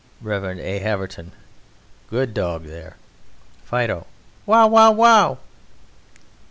REV. A. HAVERTON: Good dog, there! FIDO: Wow, Wow, wow!